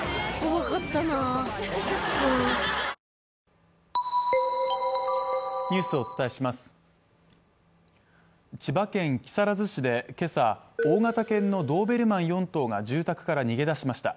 うん千葉県木更津市で今朝、大型犬のドーベルマン４頭が住宅から逃げ出しました。